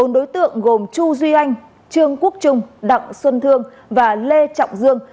bốn đối tượng gồm chu duy anh trương quốc trung đặng xuân thương và lê trọng dương